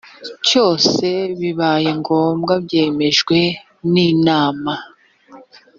cyose bibaye ngombwa byemejwe n inama